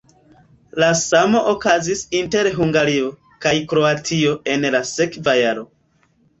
La samo okazis inter Hungario kaj Kroatio en la sekva jaro.